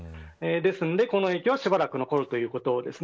ですので、この影響はしばらく残るということです。